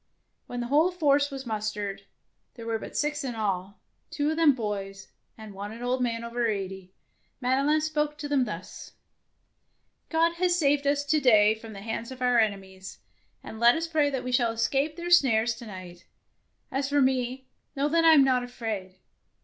'' When the whole force was mustered, 8 113 DEEDS OF DAEING there were but six in all, two of them boys and one an old man over eighty. Madelon spoke to them thus, —" God has saved us to day from the hands of our enemies, and let us pray that we shall escape their snares to night. As for me, know that I am not afraid.